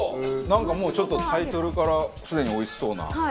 なんかもうちょっとタイトルからすでにおいしそうな。